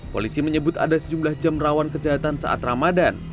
polisi menyebut ada sejumlah jam rawan kejahatan saat ramadan